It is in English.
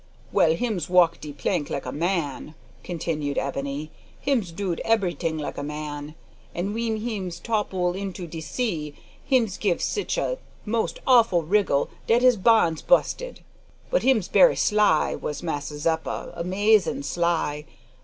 "Well, hims walk de plank like a man," continued Ebony, "hims dood eberyting like a man. An' w'en hims topple into de sea hims give sitch a most awful wriggle dat his bonds bu'sted. But hims berry sly, was Massa Zeppa amazin' sly.